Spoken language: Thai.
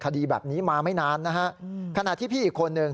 คดีแบบนี้มาไม่นานนะฮะขณะที่พี่อีกคนหนึ่ง